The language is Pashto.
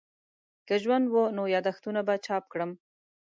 که ژوند وو نو یادښتونه به چاپ کړم.